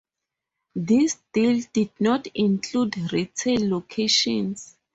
This deal did not include retail locations.